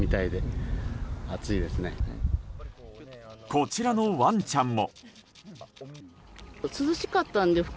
こちらのワンちゃんも。